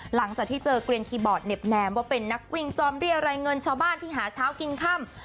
หลังจากที่เจอเกลียนคีย์บอร์ดเน็บแนมว่าเป็นนักวิ่งจอมเรียรายเงินชาวบ้านที่หาเช้ากินค่ำ